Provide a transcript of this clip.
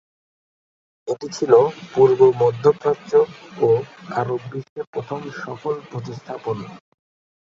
এটি ছিল পূর্ব মধ্যপ্রাচ্য ও আরব বিশ্বে প্রথম সফল প্রতিস্থাপন।